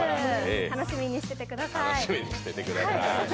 楽しみにしててください。